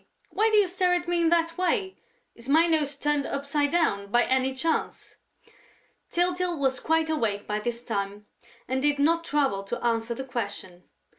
Why do you stare at me in that way?... Is my nose turned upside down, by any chance?" Tyltyl was quite awake by this time and did not trouble to answer the question.